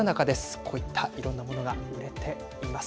こういったいろんな物が売れています。